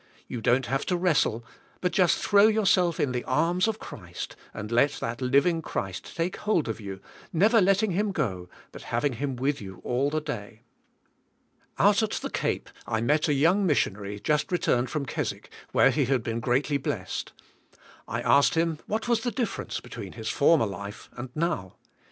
You don't have to wrestle, but just throw yourself in the arms of Christ and let that living Christ take hold of you, never letting Him go but having Him with you all the day. Out at the Cape I met a young missionary, just returned from Keswick, where he had been greatly blessed. I asked him what was the difference be tween his former life and now.